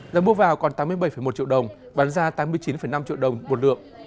giá mua vào còn tám mươi bảy một triệu đồng bán ra tám mươi chín năm triệu đồng một lượng